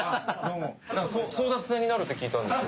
争奪戦になるって聞いたんですよ